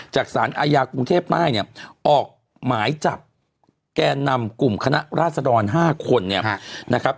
จากศาลอาญากรุงเทพมาให้เนี่ยออกหมายจับแก่นำกลุ่มคณะราศรรวรณ์๕คน